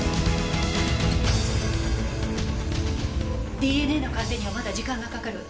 ＤＮＡの鑑定にはまだ時間がかかる。